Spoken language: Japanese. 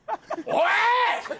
おい！